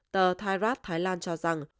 tờ thai rat thailand cho rằng